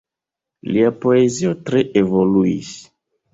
Lia poezio tre evoluis.